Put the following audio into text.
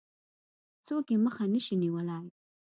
څوک يې مخه نه شي نيولای.